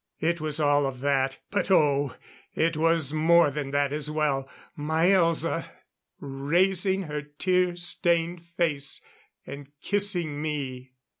It was all of that; but oh! it was more than that as well. My Elza, raising her tear stained face and kissing me.